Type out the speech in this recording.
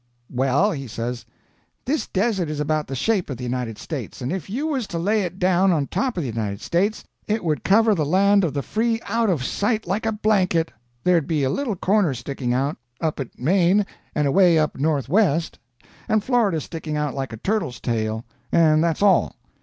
"Well," he says, "this Desert is about the shape of the United States, and if you was to lay it down on top of the United States, it would cover the land of the free out of sight like a blanket. There'd be a little corner sticking out, up at Maine and away up northwest, and Florida sticking out like a turtle's tail, and that's all.